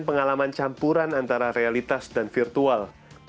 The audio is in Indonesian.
percampuran antara realitas dan virtual